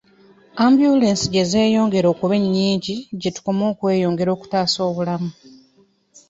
Ambyulensi gye zeeyongera okuba ennyingi gye tukoma okweyongera okutaasa obulamu.